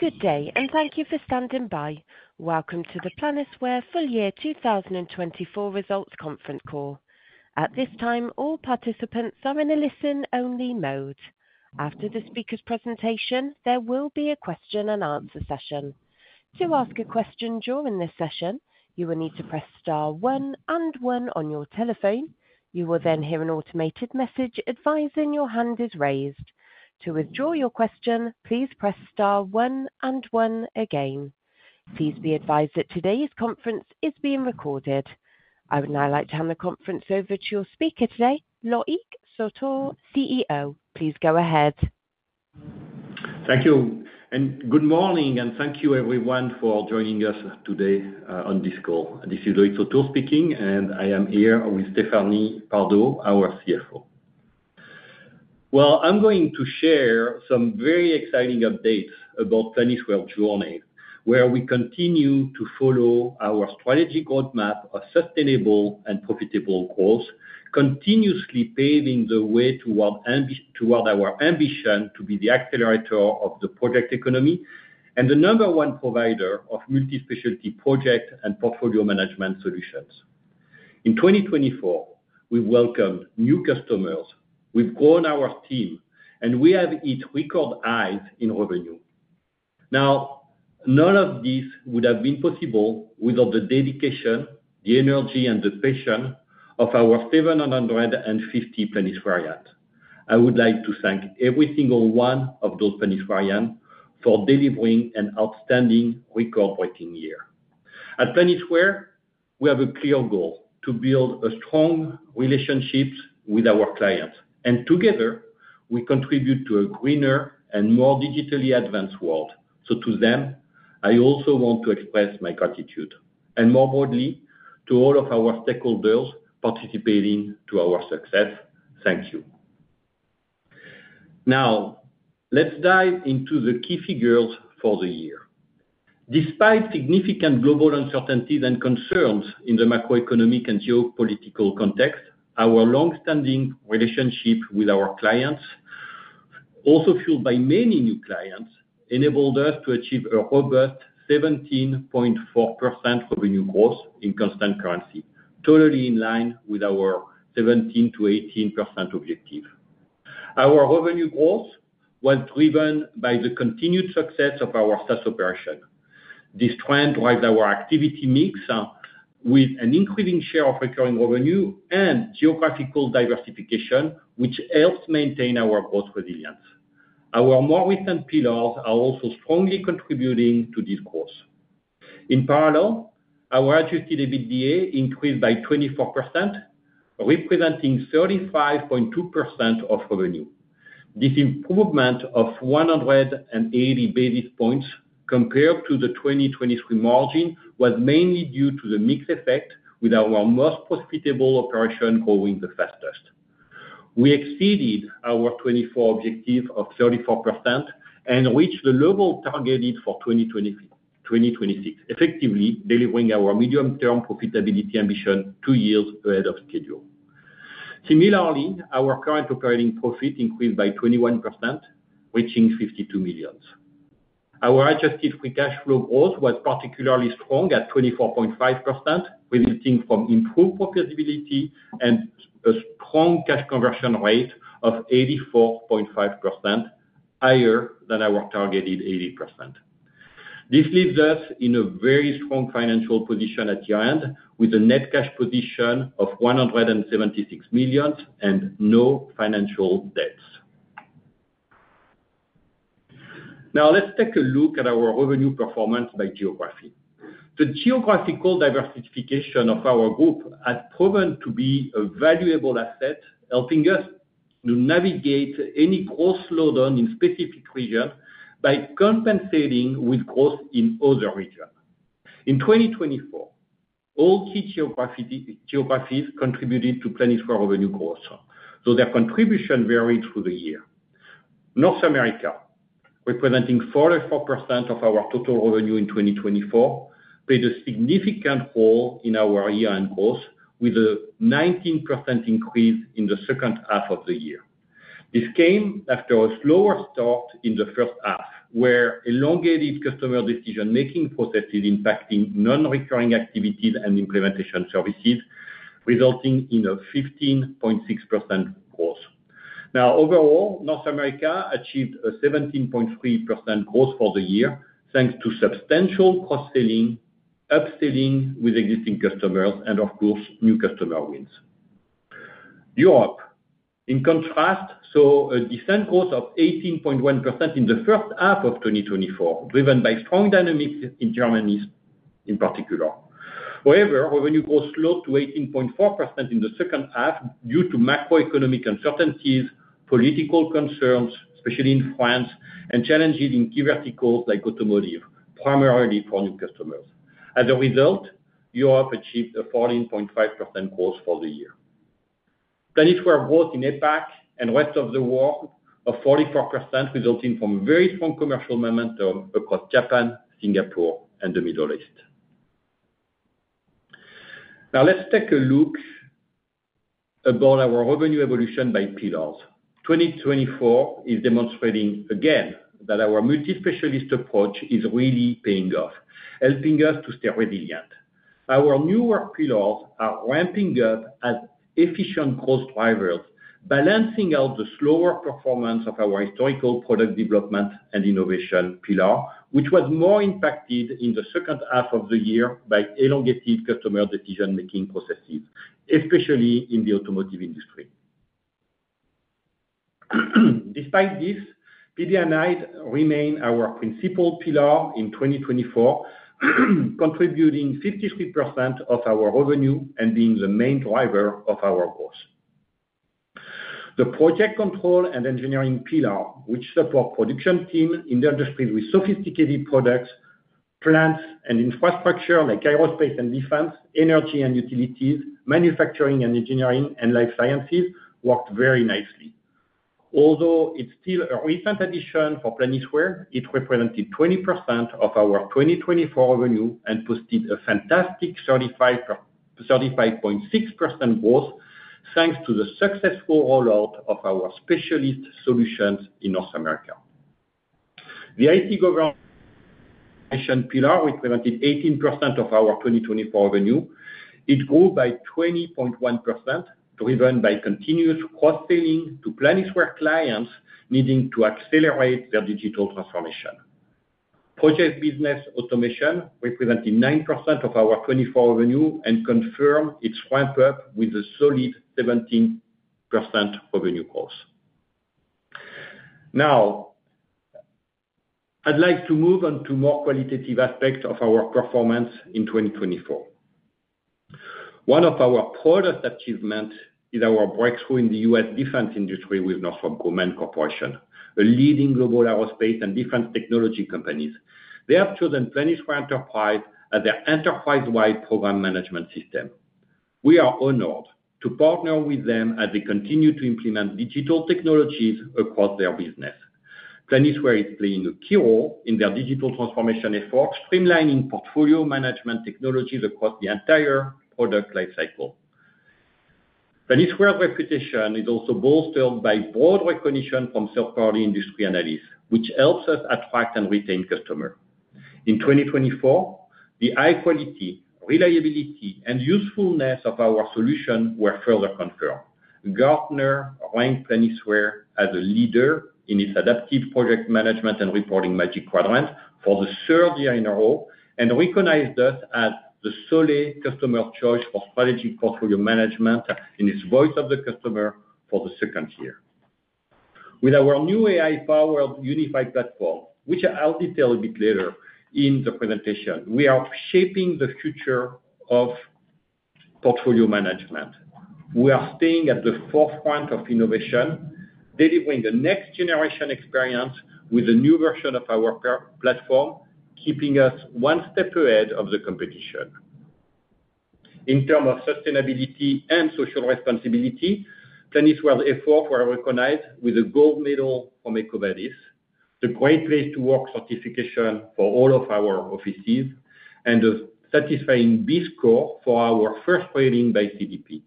Good day, and thank you for standing by. Welcome to the Planisware Full Year 2024 Results Conference Call. At this time, all participants are in a listen-only mode. After the speaker's presentation, there will be a question-and-answer session. To ask a question during this session, you will need to press star one and one on your telephone. You will then hear an automated message advising your hand is raised. To withdraw your question, please press star one and one again. Please be advised that today's conference is being recorded. I would now like to hand the conference over to your speaker today, Loïc Sautour, CEO. Please go ahead. Thank you, and good morning, and thank you, everyone, for joining us today on this call. This is Loïc Sautour speaking, and I am here with Stéphanie Pardo, our CFO. I'm going to share some very exciting updates about Planisware's journey, where we continue to follow our strategic roadmap of sustainable and profitable growth, continuously paving the way toward our ambition to be the accelerator of the project economy and the number one provider of multi-specialty project and portfolio management solutions. In 2024, we've welcomed new customers, we've grown our team, and we have hit record highs in revenue. Now, none of this would have been possible without the dedication, the energy, and the passion of our 750 Planiswareans. I would like to thank every single one of those Planiswareans for delivering an outstanding, record-breaking year. At Planisware, we have a clear goal to build strong relationships with our clients, and together, we contribute to a greener and more digitally advanced world. So, to them, I also want to express my gratitude, and more broadly, to all of our stakeholders participating in our success. Thank you. Now, let's dive into the key figures for the year. Despite significant global uncertainties and concerns in the macroeconomic and geopolitical context, our long-standing relationship with our clients, also fueled by many new clients, enabled us to achieve a robust 17.4% revenue growth in constant currency, totally in line with our 17%-18% objective. Our revenue growth was driven by the continued success of our SaaS operation. This trend drives our activity mix, with an increasing share of recurring revenue and geographical diversification, which helps maintain our growth resilience. Our more recent pillars are also strongly contributing to this growth. In parallel, our adjusted EBITDA increased by 24%, representing 35.2% of revenue. This improvement of 180 basis points compared to the 2023 margin was mainly due to the mix effect with our most profitable operation growing the fastest. We exceeded our 2024 objective of 34% and reached the level targeted for 2026, effectively delivering our medium-term profitability ambition two years ahead of schedule. Similarly, our current operating profit increased by 21%, reaching 52 million. Our adjusted free cash flow growth was particularly strong at 24.5%, resulting from improved profitability and a strong cash conversion rate of 84.5%, higher than our targeted 80%. This leaves us in a very strong financial position at year-end, with a net cash position of 176 million and no financial debts. Now, let's take a look at our revenue performance by geography. The geographical diversification of our group has proven to be a valuable asset, helping us to navigate any growth slowdown in specific regions by compensating with growth in other regions. In 2024, all key geographies contributed to Planisware revenue growth, so their contribution varied through the year. North America, representing 44% of our total revenue in 2024, played a significant role in our year-end growth, with a 19% increase in the second half of the year. This came after a slower start in the first half, where elongated customer decision-making processes impacted non-recurring activities and implementation services, resulting in a 15.6% growth. Now, overall, North America achieved a 17.3% growth for the year, thanks to substantial cross-selling, upselling with existing customers, and, of course, new customer wins. Europe, in contrast, saw a decent growth of 18.1% in the first half of 2024, driven by strong dynamics in Germany in particular. However, revenue growth slowed to 18.4% in the second half due to macroeconomic uncertainties, political concerns, especially in France, and challenges in key verticals like automotive, primarily for new customers. As a result, Europe achieved a 14.5% growth for the year. Planisware growth in APAC and rest of the world of 44%, resulting from very strong commercial momentum across Japan, Singapore, and the Middle East. Now, let's take a look at our revenue evolution by pillars. 2024 is demonstrating again that our multi-specialist approach is really paying off, helping us to stay resilient. Our newer pillars are ramping up as efficient growth drivers, balancing out the slower performance of our historical Product Development and Innovation pillar, which was more impacted in the second half of the year by elongated customer decision-making processes, especially in the automotive industry. Despite this, PD&I remains our principal pillar in 2024, contributing 53% of our revenue and being the main driver of our growth. The Project Control and Engineering pillar, which supports production teams in the industry with sophisticated products, plants, and infrastructure like aerospace and defense, energy and utilities, manufacturing and engineering, and life sciences, worked very nicely. Although it's still a recent addition for Planisware, it represented 20% of our 2024 revenue and posted a fantastic 35.6% growth, thanks to the successful rollout of our specialist solutions in North America. The IT Governance pillar represented 18% of our 2024 revenue. It grew by 20.1%, driven by continuous cross-selling to Planisware clients needing to accelerate their digital transformation. Project Business Automation represented nine percent of our 2024 revenue and confirmed its ramp-up with a solid 17% revenue growth. Now, I'd like to move on to more qualitative aspects of our performance in 2024. One of our proudest achievements is our breakthrough in the U.S. defense industry with Northrop Grumman Corporation, a leading global aerospace and defense technology company. They have chosen Planisware Enterprise as their enterprise-wide program management system. We are honored to partner with them as they continue to implement digital technologies across their business. Planisware is playing a key role in their digital transformation effort, streamlining portfolio management technologies across the entire product lifecycle. Planisware's reputation is also bolstered by broad recognition from third-party industry analysts, which helps us attract and retain customers. In 2024, the high quality, reliability, and usefulness of our solution were further confirmed. Gartner ranked Planisware as a leader in its Adaptive Project Management and Reporting Magic Quadrant for the third year in a row and recognized us as the sole customer choice for Strategic Portfolio Management in its Voice of the Customer for the second year. With our new AI-powered unified platform, which I'll detail a bit later in the presentation, we are shaping the future of portfolio management. We are staying at the forefront of innovation, delivering the next-generation experience with a new version of our platform, keeping us one step ahead of the competition. In terms of sustainability and social responsibility, Planisware's efforts were recognized with a gold medal from EcoVadis, the Great Place to Work certification for all of our offices, and a satisfying B-score for our first rating by CDP.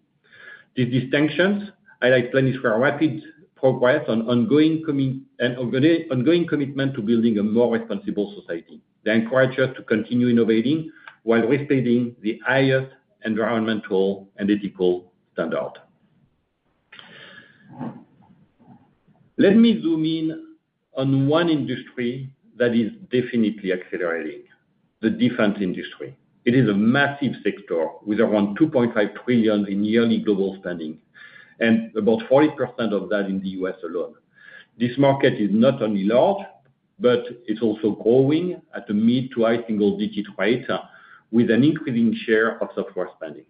These distinctions highlight Planisware's rapid progress and ongoing commitment to building a more responsible society. They encourage us to continue innovating while respecting the highest environmental and ethical standard. Let me zoom in on one industry that is definitely accelerating: the defense industry. It is a massive sector with around $2.5 trillion in yearly global spending, and about 40% of that in the U.S. alone. This market is not only large, but it's also growing at a mid- to high-single-digit rate, with an increasing share of software spending.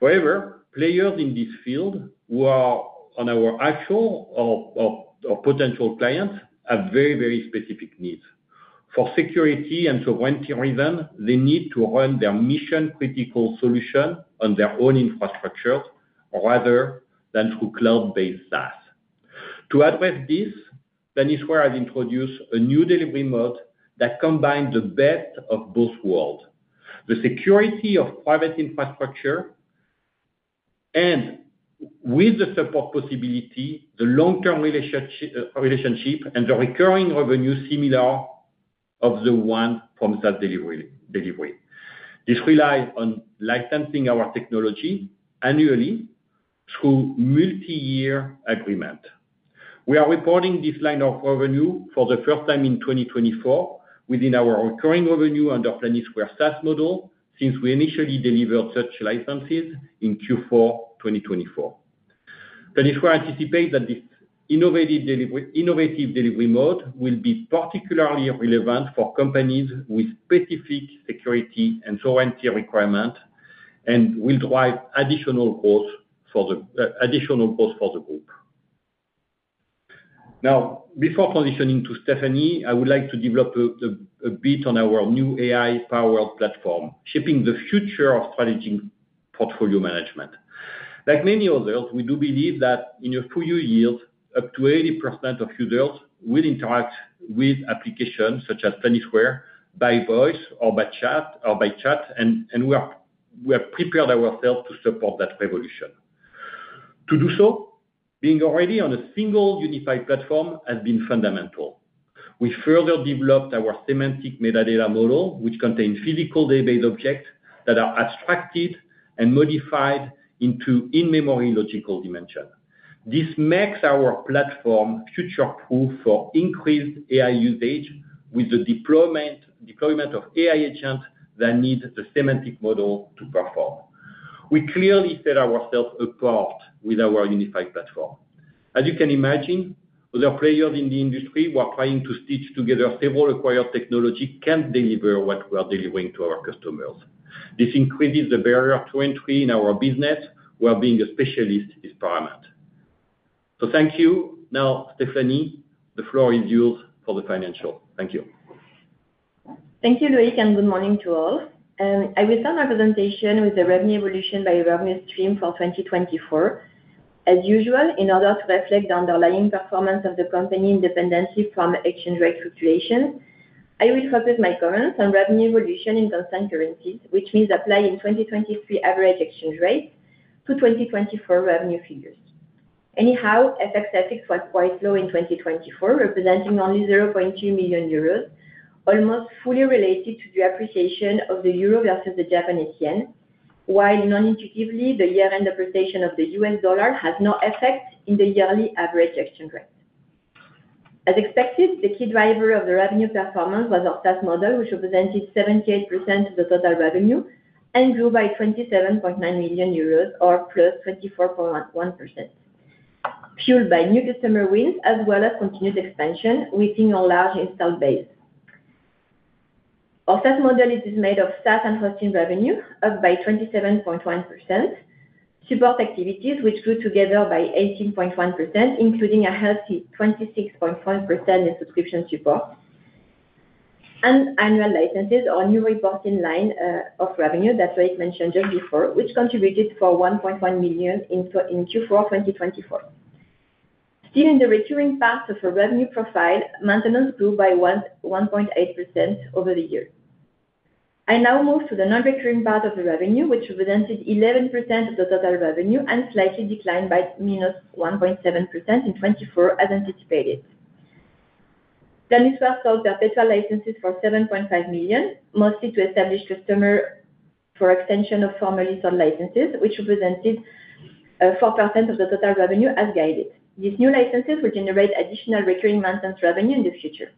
However, players in this field who are our actual or potential clients have very, very specific needs. For security and sovereignty reasons, they need to run their mission-critical solutions on their own infrastructures rather than through cloud-based SaaS. To address this, Planisware has introduced a new delivery mode that combines the best of both worlds: the security of private infrastructure and, with the support possibility, the long-term relationship and the recurring revenue similar to the one from SaaS delivery. This relies on licensing our technology annually through multi-year agreements. We are reporting this line of revenue for the first time in 2024 within our recurring revenue under Planisware SaaS model since we initially delivered such licenses in Q4 2024. Planisware anticipates that this innovative delivery mode will be particularly relevant for companies with specific security and sovereignty requirements and will drive additional growth for the group. Now, before transitioning to Stéphanie, I would like to develop a bit on our new AI-powered platform, shaping the future of strategic portfolio management. Like many others, we do believe that in a few years, up to 80% of users will interact with applications such as Planisware by voice or by chat, and we have prepared ourselves to support that revolution. To do so, being already on a single unified platform has been fundamental. We further developed our semantic metadata model, which contains physical database objects that are abstracted and modified into in-memory logical dimensions. This makes our platform future-proof for increased AI usage with the deployment of AI agents that need the semantic model to perform. We clearly set ourselves apart with our unified platform. As you can imagine, other players in the industry who are trying to stitch together several acquired technologies can't deliver what we are delivering to our customers. This increases the barrier to entry in our business, where being a specialist is paramount. So thank you. Now, Stéphanie, the floor is yours for the financial. Thank you. Thank you, Loïc, and good morning to all. I will start my presentation with the revenue evolution by revenue stream for 2024. As usual, in order to reflect the underlying performance of the company independently from exchange rate fluctuations, I will focus my comments on revenue evolution in constant currencies, which means applying 2023 average exchange rates to 2024 revenue figures. Anyhow, FX effects were quite low in 2024, representing only 0.2 million euros, almost fully related to the appreciation of the euro versus the Japanese yen, while non-intuitively, the year-end appreciation of the US dollar has no effect in the yearly average exchange rate. As expected, the key driver of the revenue performance was our SaaS model, which represented 78% of the total revenue and grew by 27.9 million euros or plus 24.1%, fueled by new customer wins as well as continued expansion within our large installed base. Our SaaS model is made of SaaS and hosting revenue, up by 27.1%, support activities, which grew together by 18.1%, including a healthy 26.5% in subscription support, and annual licenses or new reporting line of revenue that Loïc mentioned just before, which contributed for 1.1 million in Q4 2024. Still in the recurring parts of our revenue profile, maintenance grew by 1.8% over the year. I now move to the non-recurring part of the revenue, which represented 11% of the total revenue and slightly declined by minus 1.7% in 2024, as anticipated. Planisware sold perpetual licenses for 7.5 million, mostly to established customers for extension of formerly sold licenses, which represented 4% of the total revenue as guided. These new licenses will generate additional recurring maintenance revenue in the future.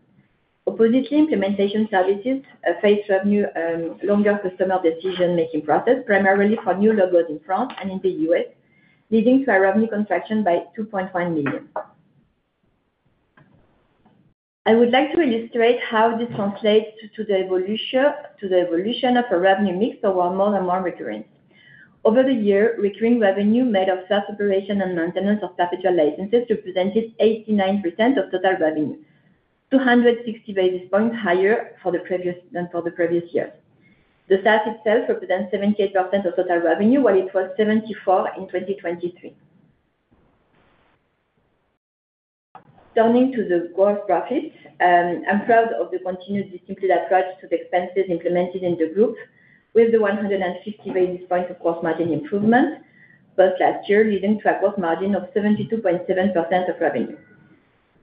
Oppositely, implementation services faced headwinds from longer customer decision-making processes, primarily for new logos in France and in the U.S., leading to a revenue contraction by 2.1 million. I would like to illustrate how this translates to the evolution of a revenue mix that was more and more recurring. Over the year, recurring revenue made up of SaaS operations and maintenance of perpetual licenses represented 89% of total revenue, 260 basis points higher than for the previous year. The SaaS itself represents 78% of total revenue, while it was 74% in 2023. Turning to the gross profits, I'm proud of the continued disciplined approach to the expenses implemented in the group with the 150 basis points of gross margin improvement post-last year, leading to a gross margin of 72.7% of revenue.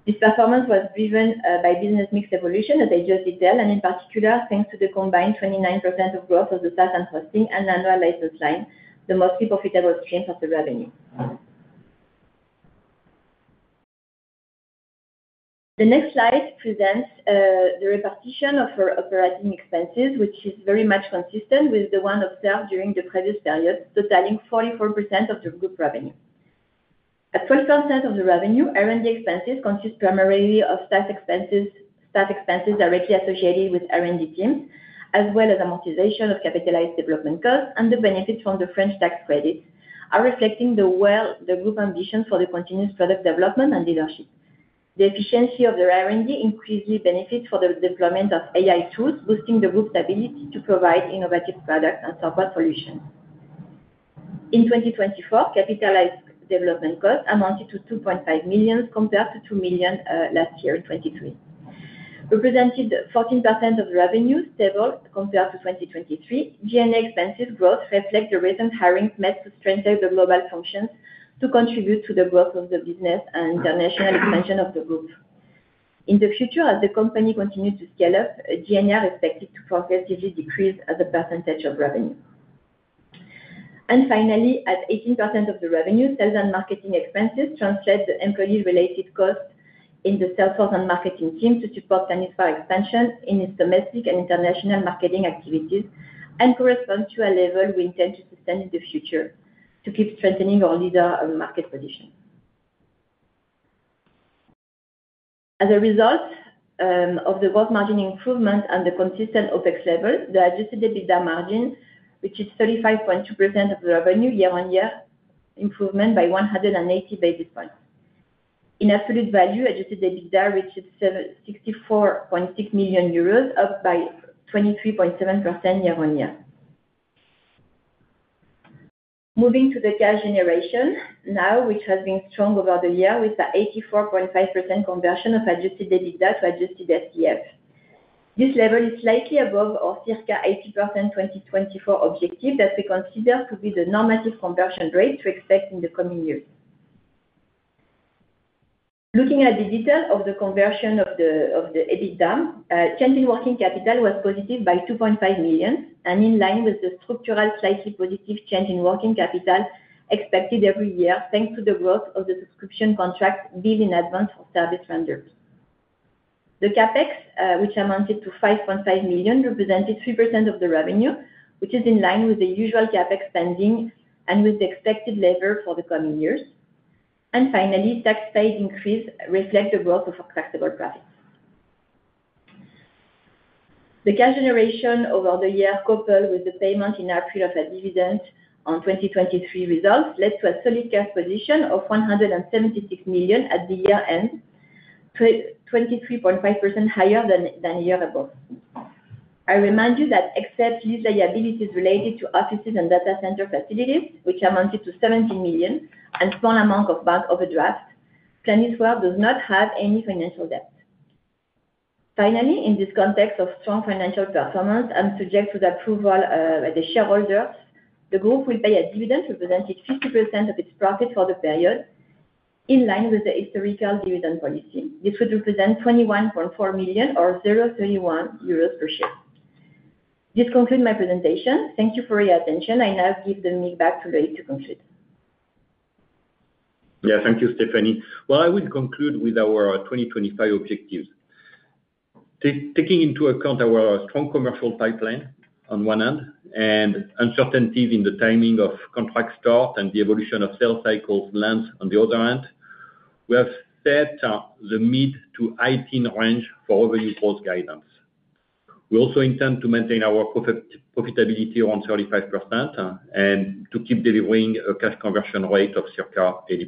This performance was driven by business mix evolution, as I just detailed, and in particular, thanks to the combined 29% of growth of the SaaS and hosting and annual license line, the mostly profitable stream of the revenue. The next slide presents the repartition of our operating expenses, which is very much consistent with the one observed during the previous period, totaling 44% of the group revenue. At 12% of the revenue, R&D expenses consist primarily of SaaS expenses directly associated with R&D teams, as well as amortization of capitalized development costs, and the benefits from the French tax credits, are reflecting the group's ambition for the continuous product development and leadership. The efficiency of their R&D increases benefits for the deployment of AI tools, boosting the group's ability to provide innovative products and support solutions. In 2024, capitalized development costs amounted to 2.5 million compared to 2 million last year in 2023, representing 14% of the revenue, stable compared to 2023. G&A expenses growth reflects the recent hiring methods to strengthen the global functions to contribute to the growth of the business and international expansion of the group. In the future, as the company continues to scale up, G&A is expected to progressively decrease as a percentage of revenue. Finally, at 18% of the revenue, sales and marketing expenses translate the employee-related costs in the salesforce and marketing team to support Planisware expansion in its domestic and international marketing activities and correspond to a level we intend to sustain in the future to keep strengthening our leader market position. As a result of the gross margin improvement and the consistent OPEX level, the adjusted EBITDA margin, which is 35.2% of the revenue year-on-year, improved by 180 basis points. In absolute value, adjusted EBITDA reached 64.6 million euros, up by 23.7% year-on-year. Moving to the cash generation now, which has been strong over the year with the 84.5% conversion of adjusted EBITDA to adjusted FCF. This level is slightly above our circa 80% 2024 objective that we consider to be the normative conversion rate to expect in the coming years. Looking at the detail of the conversion of the EBITDA, change in working capital was positive by 2.5 million and in line with the structural slightly positive change in working capital expected every year thanks to the growth of the subscription contract billed in advance for service vendors. The CAPEX, which amounted to 5.5 million, represented 3% of the revenue, which is in line with the usual CAPEX spending and with the expected lever for the coming years. Finally, tax payment increase reflects the growth of our taxable profits. The cash generation over the year, coupled with the payment in April of a dividend on 2023 results, led to a solid cash position of 176 million at the year-end, 23.5% higher than a year ago. I remind you that except lease liabilities related to offices and data center facilities, which amounted to 17 million and a small amount of bank overdraft, Planisware does not have any financial debt. Finally, in this context of strong financial performance and subject to the approval by the shareholders, the group will pay a dividend representing 50% of its profit for the period in line with the historical dividend policy. This would represent 21.4 million or 0.31 euros per share. This concludes my presentation. Thank you for your attention. I now give the mic back to Loïc to conclude. Yeah, thank you, Stéphanie. I will conclude with our 2025 objectives. Taking into account our strong commercial pipeline on one hand and uncertainties in the timing of contract start and the evolution of sales cycle lengths on the other hand, we have set the mid-teens to 18% range for revenue growth guidance. We also intend to maintain our profitability around 35% and to keep delivering a cash conversion rate of circa 80%.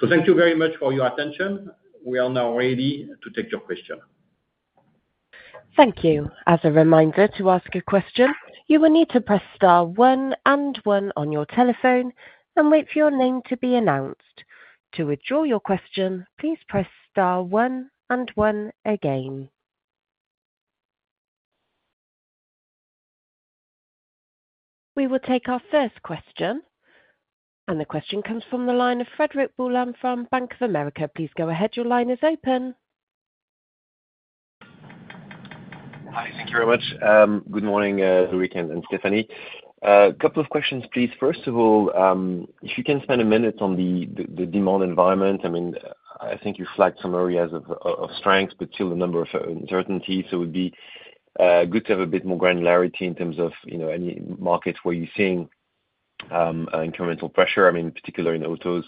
So thank you very much for your attention. We are now ready to take your question. Thank you. As a reminder to ask a question, you will need to press star one and one on your telephone and wait for your name to be announced. To withdraw your question, please press star one and one again. We will take our first question. The question comes from the line of Frédéric Boulan from Bank of America. Please go ahead. Your line is open. Hi, thank you very much. Good morning, Loïc and Stéphanie. A couple of questions, please. First of all, if you can spend a minute on the demand environment, I mean, I think you flagged some areas of strength, but still the number of uncertainties. So it would be good to have a bit more granularity in terms of any markets where you're seeing incremental pressure, I mean, in particular in autos.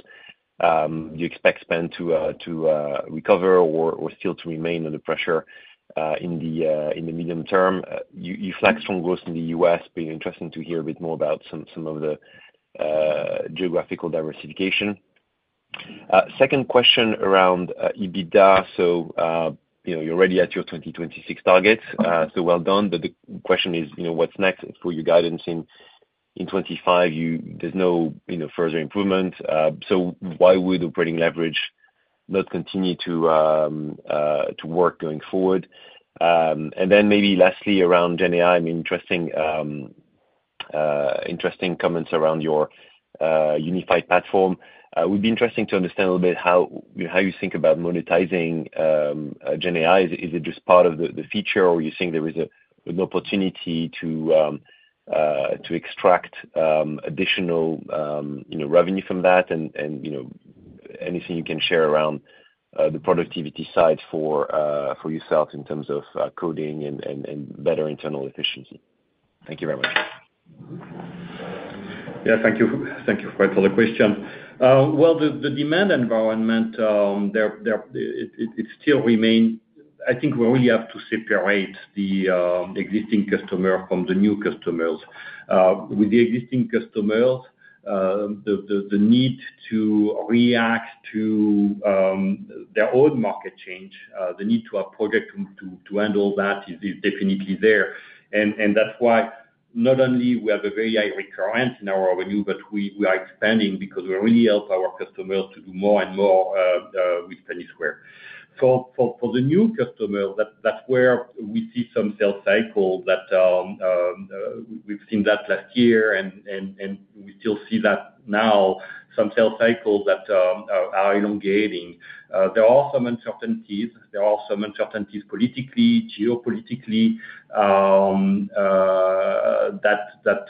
Do you expect Spain to recover or still to remain under pressure in the medium term? You flagged strong growth in the US, but it'd be interesting to hear a bit more about some of the geographical diversification. Second question around EBITDA. So you're already at your 2026 targets, so well done. But the question is, what's next for your guidance in 2025? There's no further improvement. So why would operating leverage not continue to work going forward? And then maybe lastly, around GenAI, I mean, interesting comments around your unified platform. It would be interesting to understand a little bit how you think about monetizing GenAI. Is it just part of the feature, or do you think there is an opportunity to extract additional revenue from that? And anything you can share around the productivity side for yourself in terms of coding and better internal efficiency. Thank you very much. Yeah, thank you for the question. Well, the demand environment, it still remains. I think we really have to separate the existing customers from the new customers. With the existing customers, the need to react to their own market change, the need to have projects to handle that is definitely there. And that's why not only we have a very high recurrence in our revenue, but we are expanding because we really help our customers to do more and more with Planisware. For the new customers, that's where we see some sales cycles that we've seen that last year, and we still see that now, some sales cycles that are elongating. There are some uncertainties. There are some uncertainties politically, geopolitically, that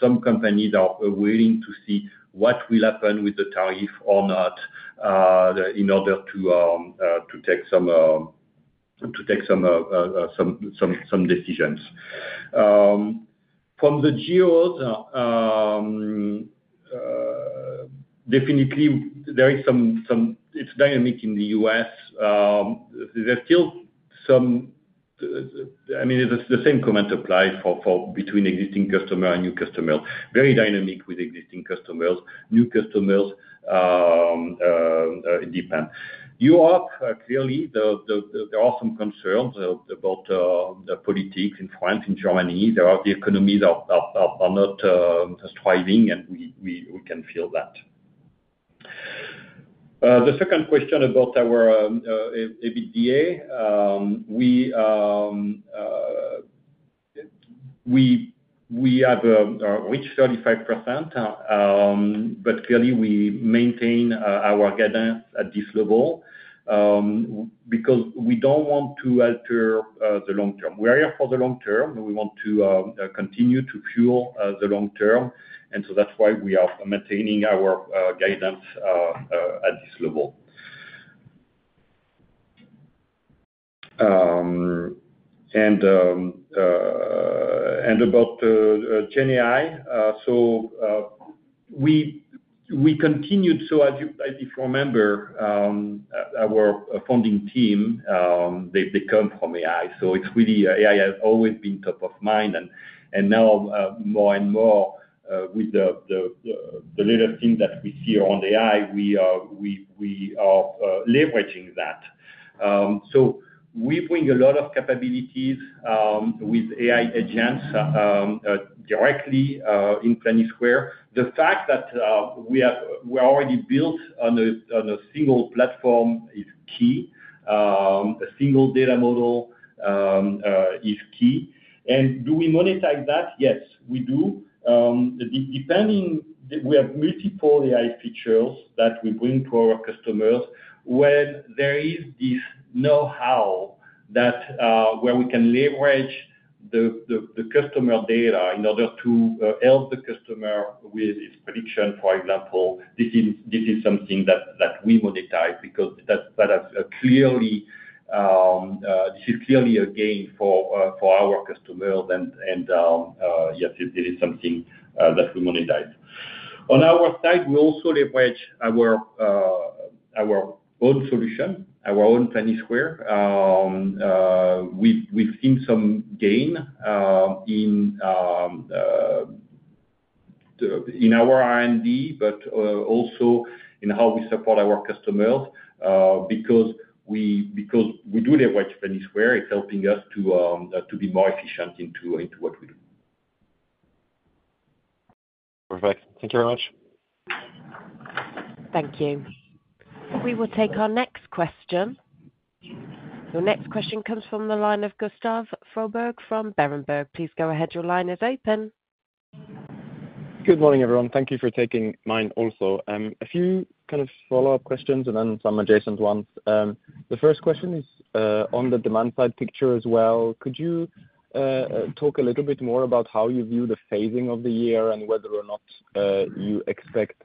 some companies are willing to see what will happen with the tariff or not in order to take some decisions. From the geos, definitely, there is some dynamic in the U.S. There's still some. I mean, the same comment applies between existing customers and new customers. Very dynamic with existing customers, new customers, it depends. Europe, clearly, there are some concerns about the politics in France, in Germany. The economies are not thriving, and we can feel that. The second question about our EBITDA, we have reached 35%, but clearly, we maintain our guidance at this level because we don't want to alter the long term. We're here for the long term. We want to continue to fuel the long term, and so that's why we are maintaining our guidance at this level. And about GenAI, so if you remember, our founding team, they come from AI. So it's really AI has always been top of mind. And now, more and more, with the latest things that we see around AI, we are leveraging that. So we bring a lot of capabilities with AI Agents directly in Planisware. The fact that we are already built on a single platform is key. A single data model is key. And do we monetize that? Yes, we do. We have multiple AI features that we bring to our customers when there is this know-how where we can leverage the customer data in order to help the customer with its prediction. For example, this is something that we monetize because this is clearly a gain for our customers. And yes, it is something that we monetize. On our side, we also leverage our own solution, our own Planisware. We've seen some gain in our R&D, but also in how we support our customers because we do leverage Planisware. It's helping us to be more efficient into what we do. Perfect. Thank you very much. Thank you. We will take our next question. Your next question comes from the line of Gustav Froberg from Berenberg. Please go ahead. Your line is open. Good morning, everyone. Thank you for taking mine also. A few kind of follow-up questions and then some adjacent ones. The first question is on the demand side picture as well. Could you talk a little bit more about how you view the phasing of the year and whether or not you expect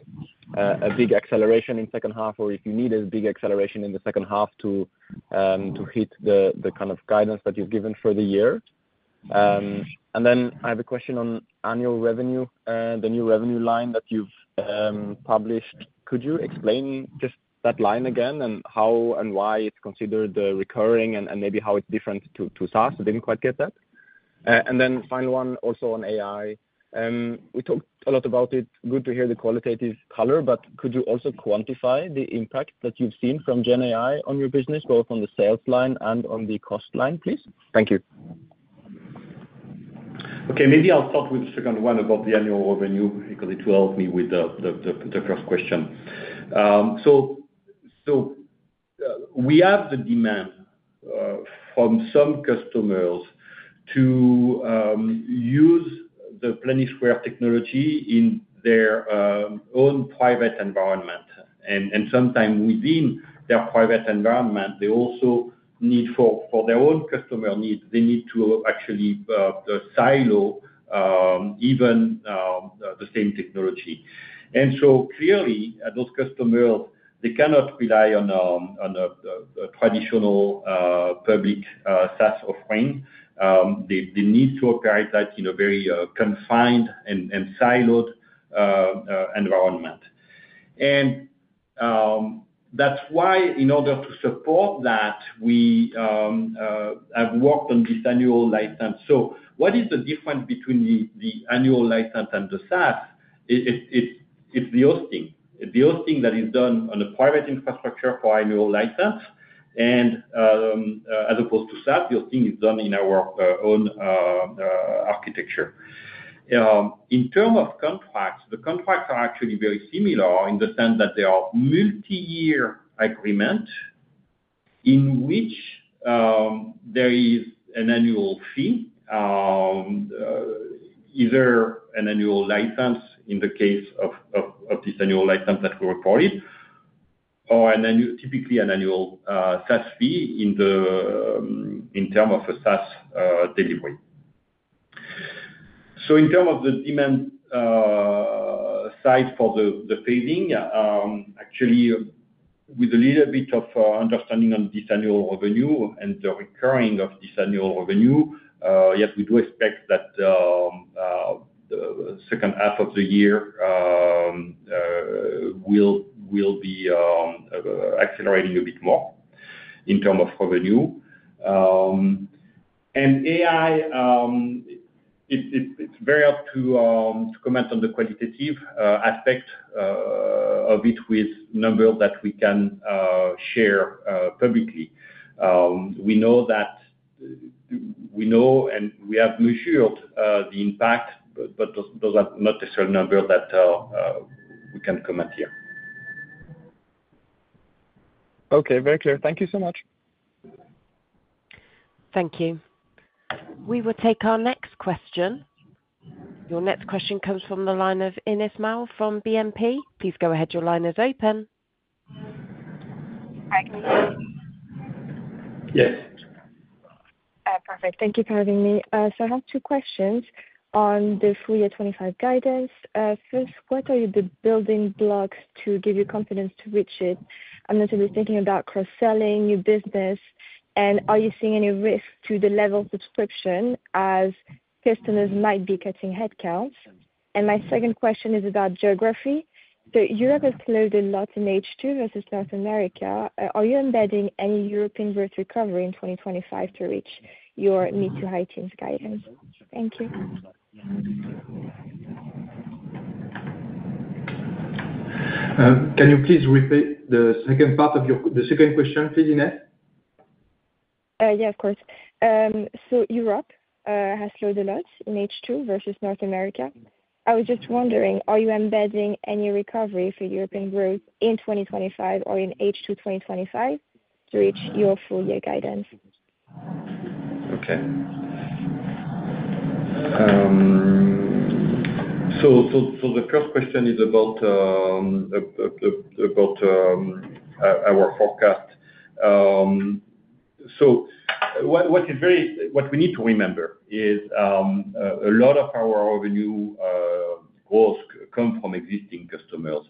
a big acceleration in the second half, or if you need a big acceleration in the second half to hit the kind of guidance that you've given for the year? And then I have a question on annual revenue, the new revenue line that you've published. Could you explain just that line again and how and why it's considered recurring and maybe how it's different to SaaS? I didn't quite get that. And then final one also on AI. We talked a lot about it. Good to hear the qualitative color, but could you also quantify the impact that you've seen from GenAI on your business, both on the sales line and on the cost line, please? Thank you. Okay. Maybe I'll start with the second one about the annual revenue because it will help me with the first question. So we have the demand from some customers to use the Planisware technology in their own private environment. And sometimes within their private environment, they also need for their own customer needs, they need to actually silo even the same technology. And so clearly, those customers, they cannot rely on a traditional public SaaS offering. They need to operate that in a very confined and siloed environment. And that's why in order to support that, we have worked on this annual license. So what is the difference between the annual license and the SaaS? It's the hosting. The hosting that is done on a private infrastructure for annual license. And as opposed to SaaS, the hosting is done in our own architecture. In terms of contracts, the contracts are actually very similar in the sense that they are multi-year agreements in which there is an annual fee, either an annual license in the case of this annual license that we recorded, or typically an annual SaaS fee in terms of a SaaS delivery. So in terms of the demand side for the phasing, actually, with a little bit of understanding on this annual revenue and the recurring of this annual revenue, yes, we do expect that the second half of the year will be accelerating a bit more in terms of revenue. And AI, it's very hard to comment on the qualitative aspect of it with numbers that we can share publicly. We know that we know and we have measured the impact, but those are not necessarily numbers that we can comment here. Okay. Very clear. Thank you so much. Thank you. We will take our next question. Your next question comes from the line of Inès Mah from BNP. Please go ahead. Your line is open. Hi, can you hear me? Yes. Perfect. Thank you for having me. So I have two questions on the FY 25 guidance. First, what are the building blocks to give you confidence to reach it? I'm not only thinking about cross-selling your business, and are you seeing any risk to the level subscription as customers might be cutting headcounts? And my second question is about geography. So Europe has closed a lot in H2 versus North America. Are you embedding any European growth recovery in 2025 to reach your mid to high teens guidance? Thank you. Can you please repeat the second part of your second question, please, Ines? Yeah, of course. So Europe has slowed a lot in H2 versus North America. I was just wondering, are you embedding any recovery for European growth in 2025 or in H2 2025 to reach your FY24 guidance? Okay. So the first question is about our forecast. So what we need to remember is a lot of our revenue growth comes from existing customers.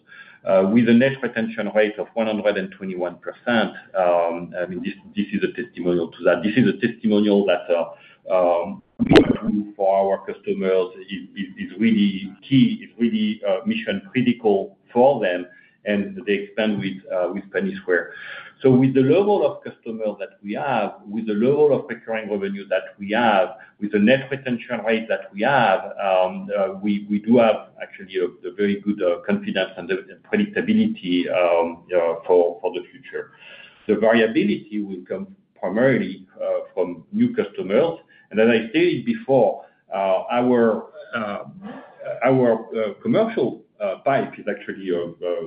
With a net retention rate of 121%, I mean, this is a testimonial to that. This is a testimonial that for our customers is really key, is really mission-critical for them, and they expand with Planisware. So with the level of customers that we have, with the level of recurring revenue that we have, with the net retention rate that we have, we do have actually a very good confidence and predictability for the future. The variability will come primarily from new customers. And as I stated before, our commercial pipe is actually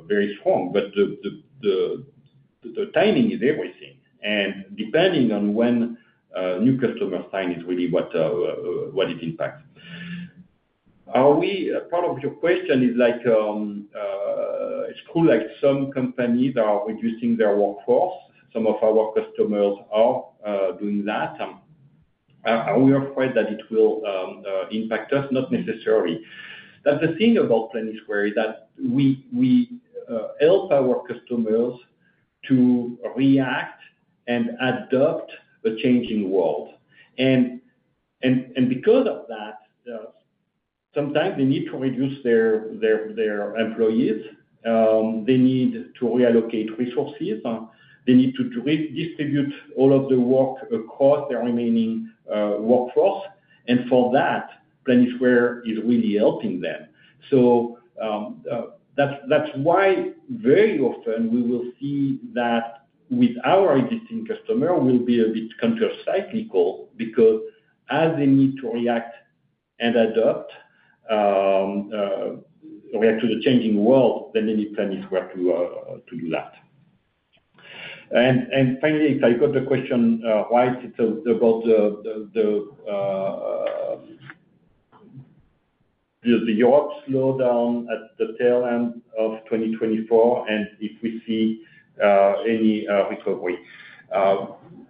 very strong, but the timing is everything. And depending on when new customers sign is really what it impacts. Part of your question is like, it's cool like some companies are reducing their workforce. Some of our customers are doing that. Are we afraid that it will impact us? Not necessarily. But the thing about Planisware is that we help our customers to react and adopt a changing world. And because of that, sometimes they need to reduce their employees. They need to reallocate resources. They need to redistribute all of the work across their remaining workforce, and for that, Planisware is really helping them, so that's why very often we will see that with our existing customer, we'll be a bit countercyclical because as they need to react and adapt, react to the changing world, then they need Planisware to do that, and finally, if I got the question right, it's about the Europe slowdown at the tail end of 2024 and if we see any recovery.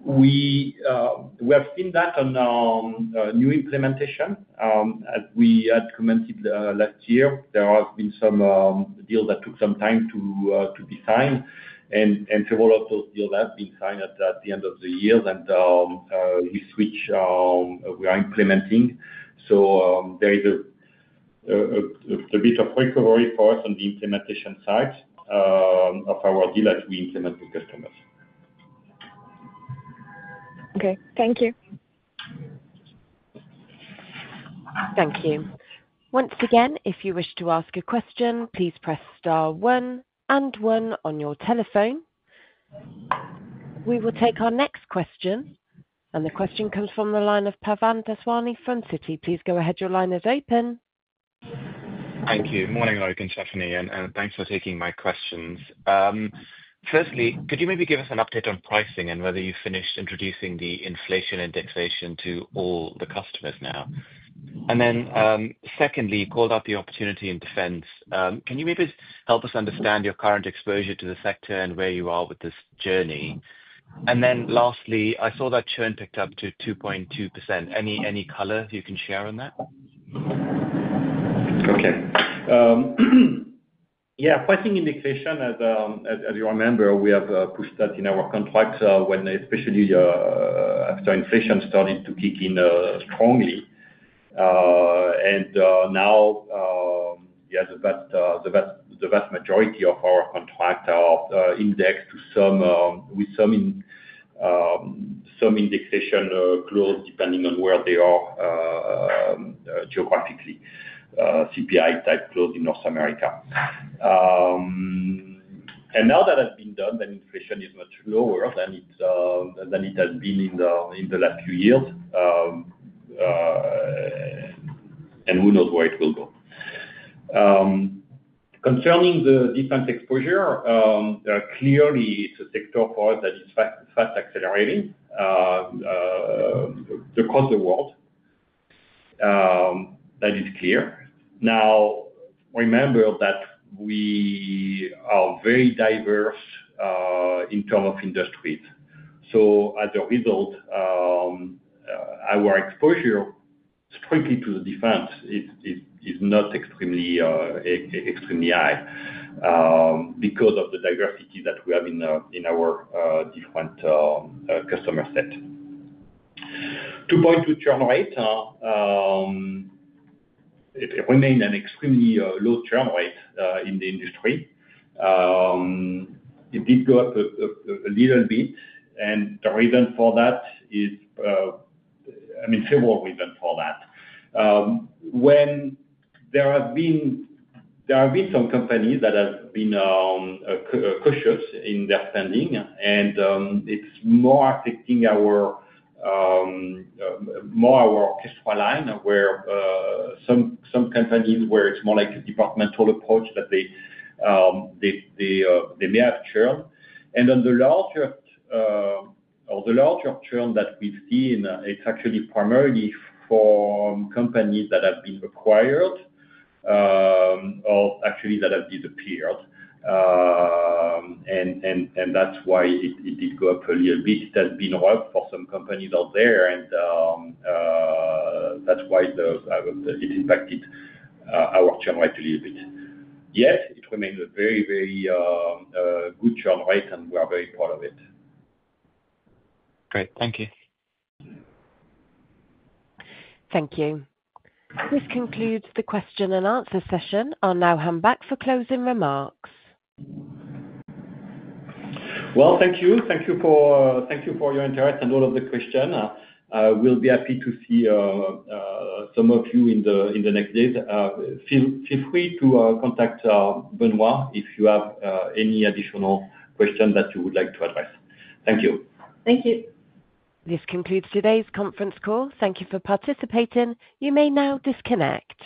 We have seen that on new implementation. As we had commented last year, there has been some deals that took some time to be signed, and several of those deals have been signed at the end of the year and we're implementing, so there is a bit of recovery for us on the implementation side of our deal as we implement with customers. Okay. Thank you. Thank you. Once again, if you wish to ask a question, please press star one and one on your telephone. We will take our next question. The question comes from the line of Pavan Daswani from Citi. Please go ahead. Your line is open. Thank you. Morning, Loïc, Stéphanie, and thanks for taking my questions. Firstly, could you maybe give us an update on pricing and whether you finished introducing the inflation indexation to all the customers now? And then secondly, you called out the opportunity in defense. Can you maybe help us understand your current exposure to the sector and where you are with this journey? And then lastly, I saw that churn picked up to 2.2%. Any color you can share on that? Okay. Yeah. Pricing indexation, as you remember, we have pushed that in our contracts when especially after inflation started to kick in strongly. Now, yeah, the vast majority of our contracts are indexed with some indexation clause depending on where they are geographically, CPI-type clause in North America. Now that has been done, then inflation is much lower than it has been in the last few years. Who knows where it will go? Concerning the defense exposure, clearly, it is a sector for us that is fast accelerating across the world. That is clear. Now, remember that we are very diverse in terms of industries. So as a result, our exposure strictly to the defense is not extremely high because of the diversity that we have in our different customer set. To point to churn rate, it remained an extremely low churn rate in the industry. It did go up a little bit, and the reason for that is, I mean, several reasons for that. When there have been some companies that have been cautious in their spending, and it's more affecting our Orchestra line where some companies, where it's more like a departmental approach that they may have churned, and on the larger churn that we've seen, it's actually primarily for companies that have been acquired or actually that have disappeared, and that's why it did go up a little bit. It has been rough for some companies out there, and that's why it impacted our churn rate a little bit. Yet, it remains a very, very good churn rate, and we are very proud of it. Great. Thank you. Thank you. This concludes the question and answer session. I'll now hand back for closing remarks. Thank you. Thank you for your interest and all of the questions. We'll be happy to see some of you in the next days. Feel free to contact Benoît if you have any additional questions that you would like to address. Thank you. Thank you. This concludes today's conference call. Thank you for participating. You may now disconnect.